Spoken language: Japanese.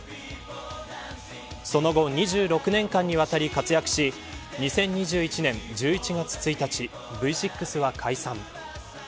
その後、２６年間にわたり活躍し２０２１年１１月１日Ｖ６は解散。